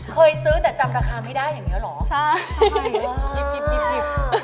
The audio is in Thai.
เคยซื้อแต่จำราคาไม่ได้อย่างนี้เหรอยิบใช่ค่ะ